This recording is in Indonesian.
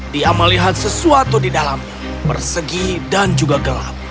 dia melihat sesuatu di dalamnya bersegi dan juga gelap